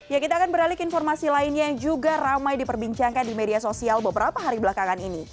ya kita akan beralih ke informasi lainnya yang juga ramai diperbincangkan di media sosial beberapa hari belakangan ini